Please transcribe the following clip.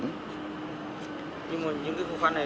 nhưng mà những khúc khăn này